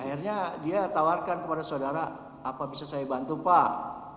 akhirnya dia tawarkan kepada saudara apa bisa saya bantu pak